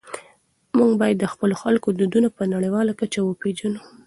موږ باید د خپلو خلکو دودونه په نړيواله کچه وپېژنو.